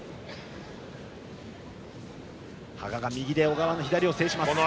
羽賀が右で小川の左を制する。